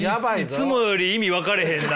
いつもより意味分からへんな。